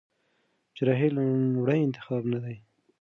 جراحي لومړی انتخاب نه دی.